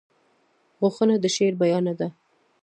غوږونه د شعر ژبه ده